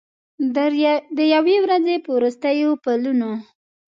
د یوې ورځې په وروستیو پلونو